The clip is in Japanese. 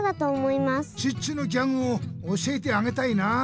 チッチのギャグを教えてあげたいな！